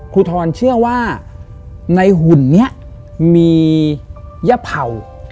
ครูทอนเชื่อว่าในหุ่นนี้มีย่าเผ่า